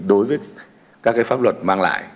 đối với các pháp luật mang lại